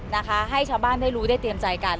นะคะให้ชาวบ้านได้รู้ได้เตรียมใจกัน